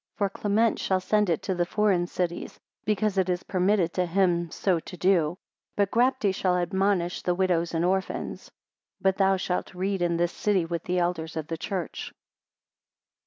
For Clement shall send it to the foreign cities, because it is permitted to him so to do: but Grapte shall admonish the widows and orphans. 37 But thou shalt read in this city with the elders of the church.